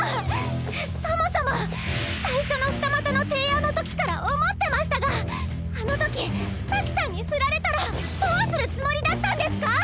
そもそも最初の二股の提案のときから思ってましたがあのとき咲さんに振られたらどうするつもりだったんですか？